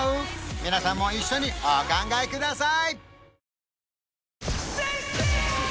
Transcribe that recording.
皆さんも一緒にお考えください